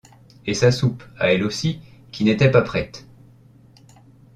Et sa soupe, à elle aussi, qui n’était pas prête!